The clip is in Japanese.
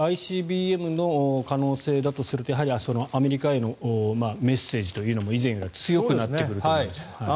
これＩＣＢＭの可能性だとするとやはりアメリカへのメッセージというのも以前よりは強くなってくると思うんですが。